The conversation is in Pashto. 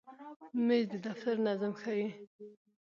مېز د دفتر نظم ښیي.